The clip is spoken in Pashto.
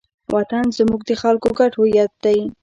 وطن زموږ د خلکو ګډ هویت دی.